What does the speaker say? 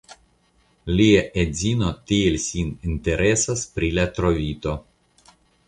Lia edzino tiel sin interesas pri la trovito.